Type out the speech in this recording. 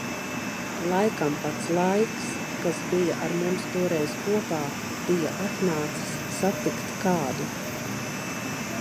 Laikam pats Laiks, kas bija ar mums toreiz kopā, bija atnācis satikt kādu.